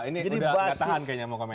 ini udah ketahan kayaknya mau komentar